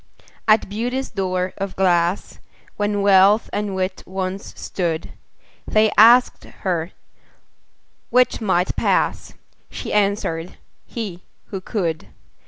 At Beauty's door of glass, When Wealth and Wit once stood, They asked her 'which might pass?" She answered, "he, who could."